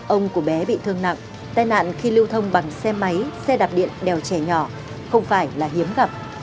ông của bé bị thương nặng tai nạn khi lưu thông bằng xe máy xe đạp điện đèo trẻ nhỏ không phải là hiếm gặp